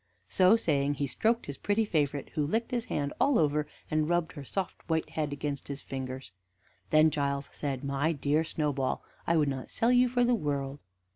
So saying, he stroked his pretty favorite, who licked his hand all over, and rubbed her soft white head against his fingers. Then Giles said: "My dear Snowball, I would not sell you for the world."